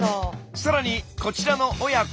さらにこちらの親子。